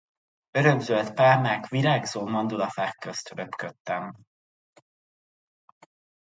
Örökzöld pálmák, virágzó mandulafák közt röpködtem!